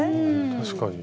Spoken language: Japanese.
確かに。